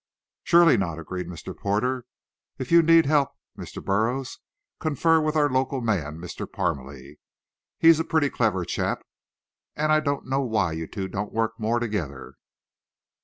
"Surely not," agreed Mr. Porter. "If you need help, Mr. Burroughs, confer with our local man, Mr. Parmalee. He's a pretty clever chap, and I don't know why you two don't work more together."